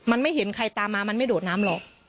มันไม่เห็นใครตามมามันไม่โดดน้ำหรอก